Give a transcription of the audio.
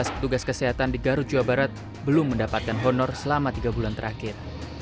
tujuh belas petugas kesehatan di garut jawa barat belum mendapatkan honor selama tiga bulan terakhir